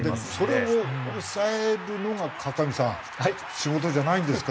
それを抑えるのが川上さん仕事じゃないんですか？